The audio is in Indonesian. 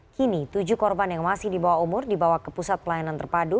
kini tujuh korban yang masih di bawah umur dibawa ke pusat pelayanan terpadu